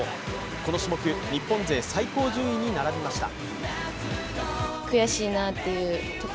この種目、日本勢最高順位に並びました。